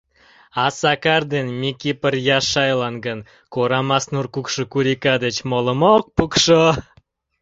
А Сакар ден Микипыр Яшайлан гын, Корамас нур кукшо курика деч молым ок пукшо.